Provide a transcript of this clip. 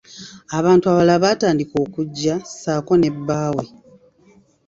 Abantu abalala baatandika okuggya saako ne bbawe.